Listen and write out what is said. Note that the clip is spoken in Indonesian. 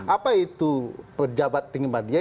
apa itu pejabat tinggi media